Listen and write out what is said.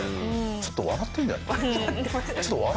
ちょっと笑ってたよ。